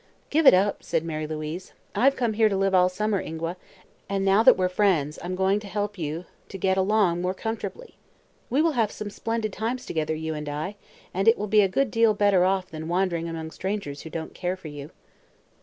"Give it up," suggested Mary Louise. "I've come here to live all summer, Ingua, and now that we're friends I'm going to help you to get along more comfortably. We will have some splendid times together, you and I, and you will be a good deal better off than wandering among strangers who don't care for you."